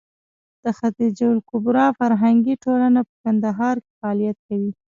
د خدېجه الکبرا فرهنګي ټولنه په کندهار کې فعالیت کوي.